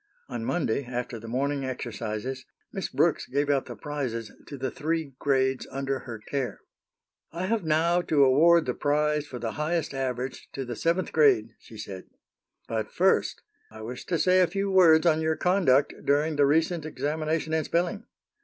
On Monday, after the morning exercises, Miss Brooks gave out the prizes to the three grades under her care. "I have now to award the prize for the highest average to the seventh grade," she said. "But first I wish to say a few words on your conduct during the recent examination in spelling.